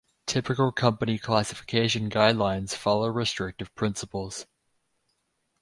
Typical company classification guidelines follow restrictive principles.